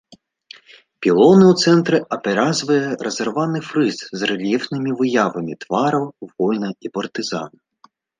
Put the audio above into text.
Пілоны ў цэнтры апяразвае разарваны фрыз з рэльефнымі выявамі твараў воіна і партызана.